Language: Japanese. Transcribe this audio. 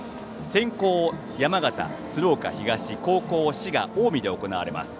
先攻、山形・鶴岡東後攻、滋賀・近江で行われます。